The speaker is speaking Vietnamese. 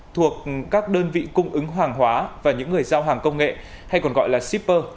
thuộc các đơn vị cung ứng hàng hóa và những người giao hàng công nghệ hay còn gọi là shipper